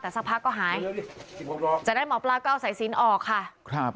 แต่สักพักก็หายจากนั้นหมอปลาก็เอาสายสินออกค่ะครับ